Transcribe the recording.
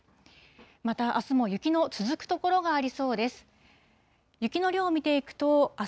また、あすも雪の続く所がありそうです。